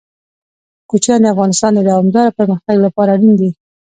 کوچیان د افغانستان د دوامداره پرمختګ لپاره اړین دي.